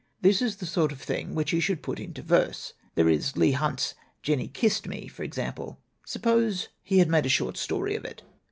This is the sort of thing which he should put into verse. There is Leigh Hunt's Jennie Kissed Me, for ex ample. Suppose he had made a short story of it."